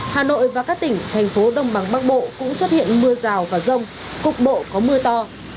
hà nội và các tỉnh thành phố đông bằng bắc bộ cũng xuất hiện mưa rào và rông cục bộ có mưa to